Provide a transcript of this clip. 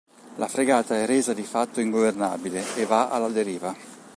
La fregata è resa di fatto ingovernabile e va alla deriva.